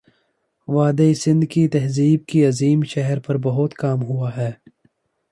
وادیٔ سندھ کی تہذیب کے عظیم شہر پر بہت کام ہوا ہے